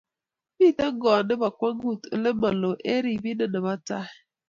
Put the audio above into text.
Miten koot nebo kwangut olemaloo eng rebendo nebo tai